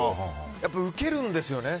やっぱりウケるんですよね。